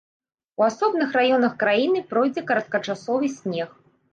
У асобных раёнах краіны пройдзе кароткачасовы снег.